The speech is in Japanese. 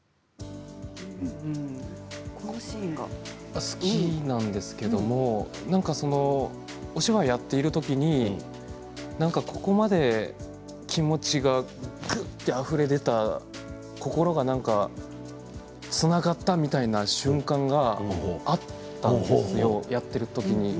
このシーンが好きなんですけれどお芝居をやっている時にここまで気持ちがくっとあふれ出た、心が何かつながったみたいな瞬間があったんですよ、やっている時に。